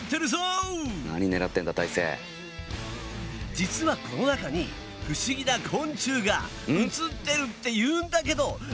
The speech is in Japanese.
実はこの中に不思議な昆虫が映ってるって言うんだけどどこ？